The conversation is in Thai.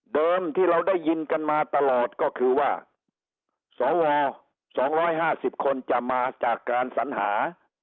ที่เราได้ยินกันมาตลอดก็คือว่าสว๒๕๐คนจะมาจากการสัญหา